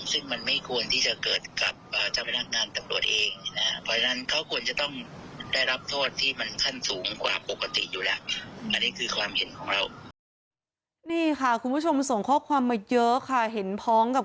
ซึ่งมันไม่ควรที่จะเกิดกับเจ้าพนักงานตำรวจเองนะฮะ